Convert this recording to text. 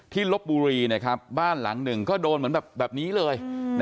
ลบบุรีนะครับบ้านหลังหนึ่งก็โดนเหมือนแบบแบบนี้เลย